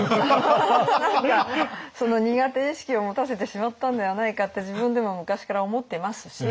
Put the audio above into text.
何かその苦手意識を持たせてしまったんではないかって自分でも昔から思っていますし。